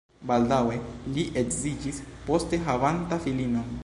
Baldaŭe li edziĝis, poste havanta filinon.